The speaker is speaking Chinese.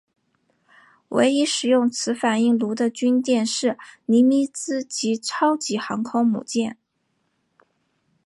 唯一使用此反应炉的军舰是尼米兹级超级航空母舰。